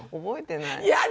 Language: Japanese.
覚えてない。